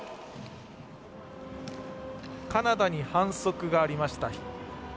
カナダに反則がありました。